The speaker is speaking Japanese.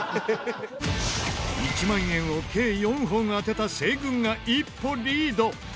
１万円を計４本当てた西軍が一歩リード。